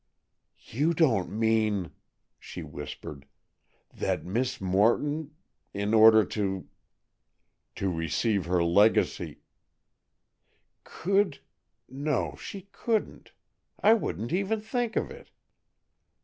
"You don't mean," she whispered, "that Miss Morton—in order to——" "To receive her legacy——" "Could—no, she couldn't! I won't even think of it!"